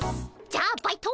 じゃあバイト